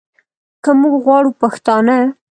که موږ غواړو پښتانه